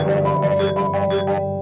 tetep covid in menunjukkan cara ini